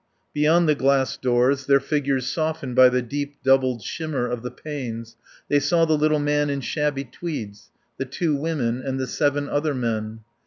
Beyond the glass doors, their figures softened by the deep, doubled shimmer of the panes, they saw the little man in shabby tweeds, the two women, and the seven other men.